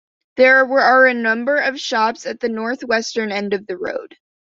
There are a number of shops at the northwestern end of the road.